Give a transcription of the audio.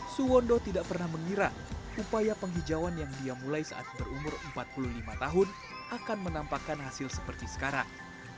suwondo tidak pernah mengira upaya penghijauan yang dia mulai saat berumur empat puluh lima tahun akan menampakkan hasil seperti sekarang